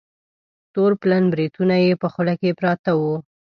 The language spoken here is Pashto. تور پلن بریتونه یې په خوله کې پراته وه.